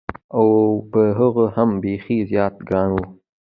او په هغو هم بېخي زیات ګران و.